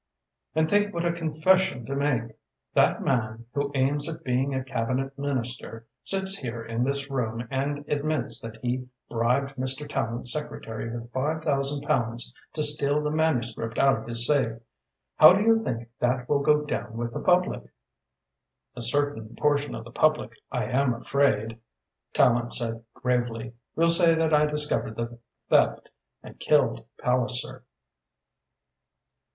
And think what a confession to make! That man, who aims at being a Cabinet Minister, sits here in this room and admits that he bribed Mr. Tallente's secretary with five thousand pounds to steal the manuscript out of his safe. How do you think that will go down with the public?" "A certain portion of the public, I am afraid," Tallente said gravely, "will say that I discovered the theft and killed Palliser."